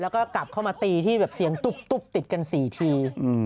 แล้วก็กลับเข้ามาตีที่แบบเสียงตุ๊บติดกัน๔ที